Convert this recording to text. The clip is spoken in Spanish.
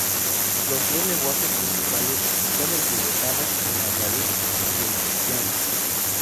Los tres lenguajes principales son el tibetano, el mandarín y el qiang.